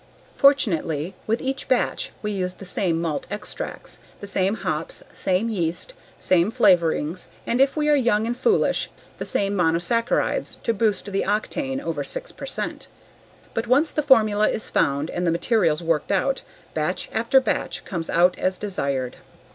Fortunately, with each batch we use the same malt extracts, the same hops, same yeast, same flavorings and, if we are young and foolish, the same monosaccarides to boost the octane over six percent. But once the formula is found and the materials worked out, batch after batch comes out as desired.